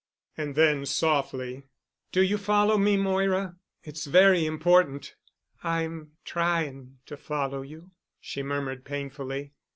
And then softly, "Do you follow me, Moira? It's very important." "I'm trying—to follow you," she murmured painfully.